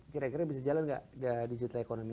kira kira bisa jalan gak digital economy